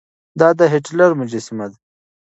دا د هېټلر مجسمه ده.